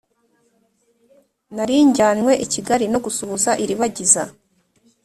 Nari njyanywe i Kigali no gusuhuza iribagiza